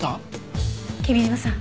君嶋さん